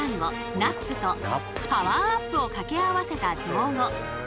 Ｎａｐとパワーアップを掛け合わせた造語。